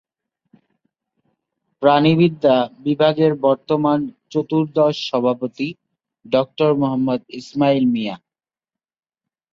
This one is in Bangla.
প্রাণিবিদ্যা বিভাগের বর্তমান চতুর্দশ সভাপতি ডক্টর মোহাম্মদ ইসমাইল মিয়া।